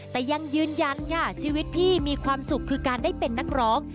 แต่ยังยืนยันค่ะชีวิตพี่มีความสุขคือการได้เป็นนักร้อง